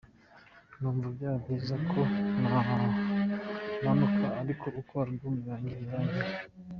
Numva byaba byiza ko namanuka ariko uko Album yanjye yarangiye.